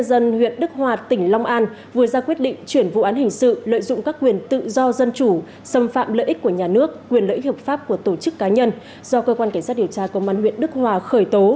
xâm phạm lợi ích của nhà nước quyền lợi ích hợp pháp của tổ chức cá nhân do cơ quan cảnh sát điều tra công an huyện đức hòa khởi tố